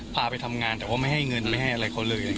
พาไปทำงานแต่ว่าไม่ให้เงินไม่ให้อะไรเขาเลย